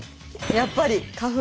やっぱり花粉です。